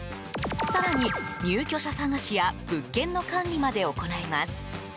更に、入居者探しや物件の管理まで行います。